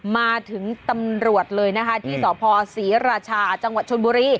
มาถึงตำรวจเลยนะคะที่สพศรีราชาจังหวัดชนบุรี